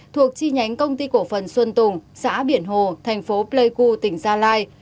thuộc chi nhánh công ty cổ phần xuân tùng xã biển hồ thành phố pleiku tỉnh gia lai